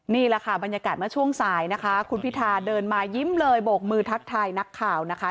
นี่แหละค่ะบรรยากาศเมื่อช่วงสายนะคะคุณพิธาเดินมายิ้มเลยโบกมือทักทายนักข่าวนะคะ